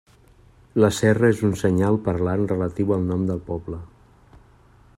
La serra és un senyal parlant relatiu al nom del poble.